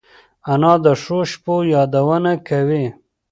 انا د ښو شپو یادونه کوي